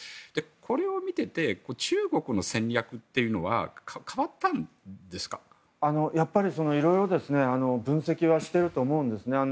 これを見ていて中国の戦略というのはやっぱり、いろいろ分析はしていると思うんです。